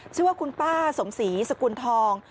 ชื่อว่าคุณป้าสมศรีสกุลทอง